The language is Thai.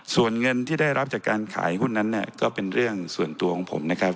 ส่วนเงินที่ได้รับจากการขายหุ้นนั้นเนี่ยก็เป็นเรื่องส่วนตัวของผมนะครับ